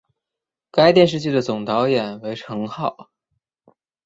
该电视剧的总导演为成浩。